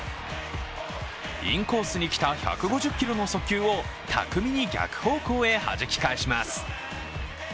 インコースに来た、１５０キロの速球を巧みに逆方向にはじき返します。